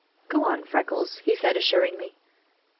"Go on, Freckles," he said assuringly.